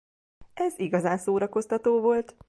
Ez igazán szórakoztató volt.